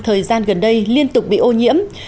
thời gian gần đây liên tục bị ô nhiễm